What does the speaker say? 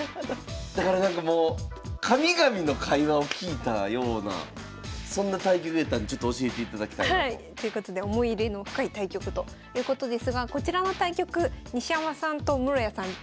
だからなんかもう神々の会話を聞いたようなそんな体験を得たんでちょっと教えていただきたいなと。ということで思い入れの深い対局ということですがこちらの対局西山さんと室谷さん